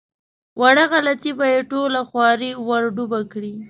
وړه غلطي به یې ټوله خواري ور ډوبه کړي.